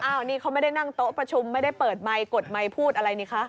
อันนี้เขาไม่ได้นั่งโต๊ะประชุมไม่ได้เปิดไมค์กดไมค์พูดอะไรนี่คะ